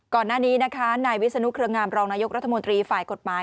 ก่อนหน้านี้นะคะนายวิศนุเครืองามรองนายกรัฐมนตรีฝ่ายกฎหมาย